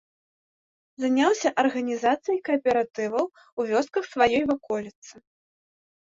Заняўся арганізацыяй кааператываў у вёсках сваёй ваколіцы.